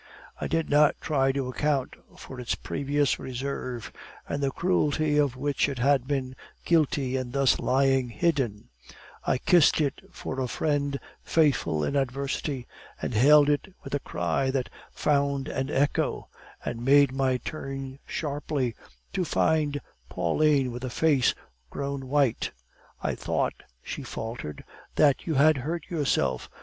I did not try to account for its previous reserve and the cruelty of which it had been guilty in thus lying hidden; I kissed it for a friend faithful in adversity, and hailed it with a cry that found an echo, and made me turn sharply, to find Pauline with a face grown white. "'I thought,' she faltered, 'that you had hurt yourself!